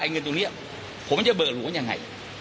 เงินตรงนี้ผมจะเบิกหัวยังไง